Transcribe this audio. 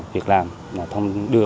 việc làm đưa